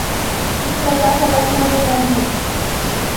بسم الله الرحمن الرحیم